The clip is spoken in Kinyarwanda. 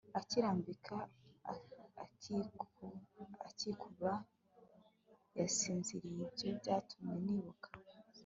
akirambika akibuka yasinziye Ibyo byatumye nibuka